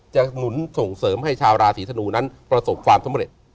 หนุนส่งเสริมให้ชาวราศีธนูนั้นประสบความสำเร็จ